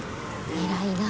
偉いな。